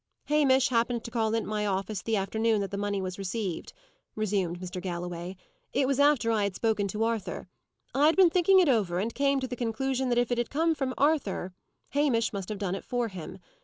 "Hamish happened to call in at my office the afternoon that the money was received," resumed Mr. Galloway. "It was after I had spoken to Arthur. I had been thinking it over, and came to the conclusion that if it had come from Arthur, Hamish must have done it for him.